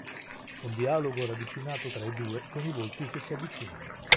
Un dialogo ravvicinato tra i due con i volti che si avvicinano.